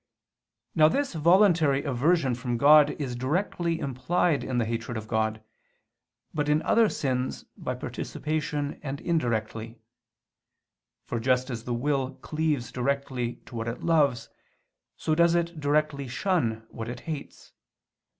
Now this voluntary aversion from God is directly implied in the hatred of God, but in other sins, by participation and indirectly. For just as the will cleaves directly to what it loves, so does it directly shun what it hates.